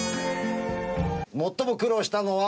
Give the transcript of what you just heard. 最も苦労したのは。